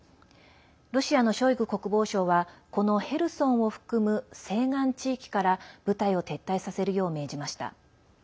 ロシアのショイグ国防相はこのヘルソンを含む西岸地域から部隊を撤退させるよう命じました。